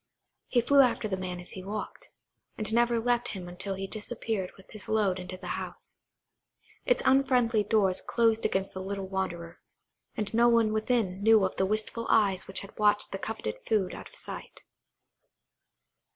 He flew after the man as he walked, and never left him until he disappeared with his load into the house. Its unfriendly doors closed against the little wanderer, and no one within knew of the wistful eyes which had watched the coveted food out of sight.